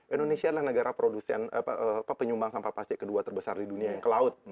indonesia adalah negara produsen penyumbang sampah plastik kedua terbesar di dunia yang ke laut